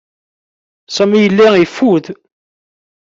Sami yella yeffud.